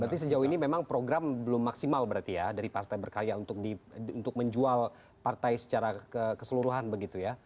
berarti sejauh ini memang program belum maksimal berarti ya dari partai berkarya untuk menjual partai secara keseluruhan begitu ya